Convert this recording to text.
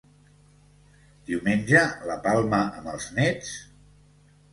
Diumenge, la palma amb els néts?